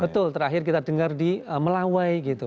betul terakhir kita dengar di melawai gitu